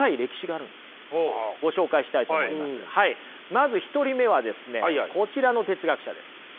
まず１人目はですねこちらの哲学者です。